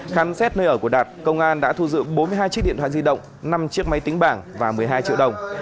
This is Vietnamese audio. khám xét nơi ở của đạt công an đã thu giữ bốn mươi hai chiếc điện thoại di động năm chiếc máy tính bảng và một mươi hai triệu đồng